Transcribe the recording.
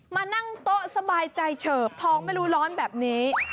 มานั่งโต๊ะสบายใจเฉิบท้องไม่รู้ร้อนแบบนี้